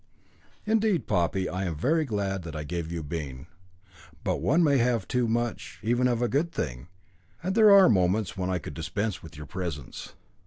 "Indeed, Poppy, I am very glad that I gave you being. But one may have too much even of a good thing, and there are moments when I could dispense with your presence."